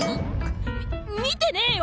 み見てねえよ！